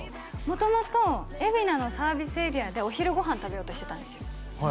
元々海老名のサービスエリアでお昼ご飯食べようとしてたんですよ